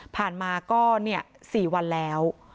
ผ่านมาก็๔วันแล้ว